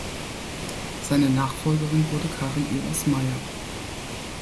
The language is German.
Seine Nachfolgerin wurde Karin Evers-Meyer.